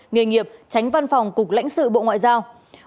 nghề nghiệp tránh văn phòng cục lãnh sự bộ ngoại giao